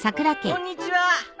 こんにちは。